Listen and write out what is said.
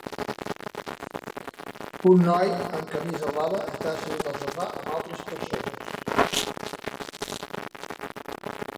Un noi amb camisa blava està assegut al sofà amb altres persones.